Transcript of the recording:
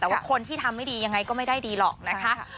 แต่ว่าคนที่ทำไม่ดียังไงก็ไม่ได้ดีหรอกนะคะ